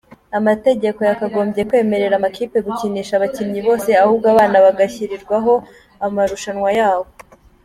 Amategeko yakagombye kwemerera amakipe gukinisha abakinnyi bose ahubwo abana bagashyirirwaho amarushanwa yabo.